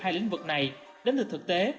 hai lĩnh vực này đến từ thực tế